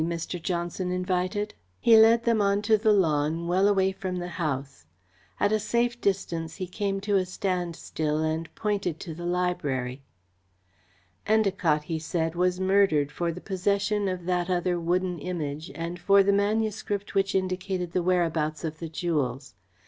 Mr. Johnson invited. He led them on to the lawn, well away from the house. At a safe distance he came to a standstill and pointed to the library. "Endacott," he said, "was murdered for the possession of that other wooden Image and for the manuscript which indicated the whereabouts of the jewels.